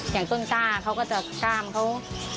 อย่างต้นกล้าเขาก็จะกล้ามเขา